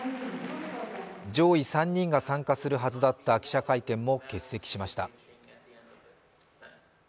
上位３人が参加するはずだった記者会見も欠席しました。